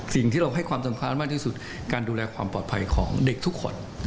สิ่งที่เราให้ความสำคัญมากที่สุดการดูแลความปลอดภัยของเด็กทุกคน